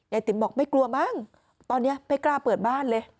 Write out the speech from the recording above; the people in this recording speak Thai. ติ๋มบอกไม่กลัวมั้งตอนนี้ไม่กล้าเปิดบ้านเลย